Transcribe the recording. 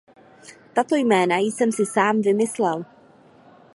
Tato jména jsem si sám vymyslel.